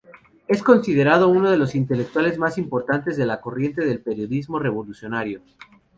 Es considerado uno de los intelectuales más importantes de la corriente del peronismo revolucionario.